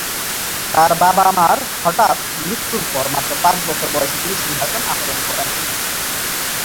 তার বাবা-মার হঠাৎ মৃত্যুর পর মাত্র পাঁচ বছর বয়সে তিনি সিংহাসনে আরোহণ করেন।